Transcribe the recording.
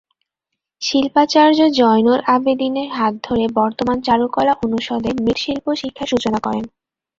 শিল্পাচার্য জয়নুল আবেদীন এর হাত ধরে বর্তমান চারুকলা অনুষদে মৃৎশিল্প শিক্ষার সূচনা করেন।